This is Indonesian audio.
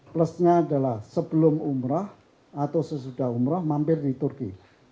plusnya adalah sebelum umrah atau sesudah umroh mampir di turki